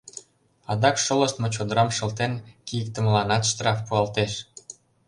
Адак шолыштмо чодырам шылтен кийыктымыланат штраф пуалтеш.